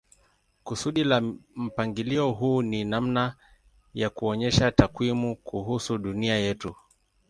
Kusudi la mpangilio huu ni namna ya kuonyesha takwimu kuhusu dunia yetu.